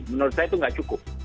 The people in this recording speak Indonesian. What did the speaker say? menurut saya itu nggak cukup